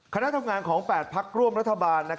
คณะทำงานของแปดภักดิ์ร่วมรัฐบาล